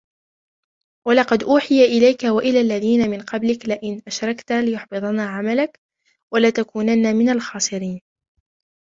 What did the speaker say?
وَلَقَدْ أُوحِيَ إِلَيْكَ وَإِلَى الَّذِينَ مِنْ قَبْلِكَ لَئِنْ أَشْرَكْتَ لَيَحْبَطَنَّ عَمَلُكَ وَلَتَكُونَنَّ مِنَ الْخَاسِرِينَ